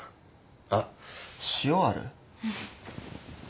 あっ塩ある？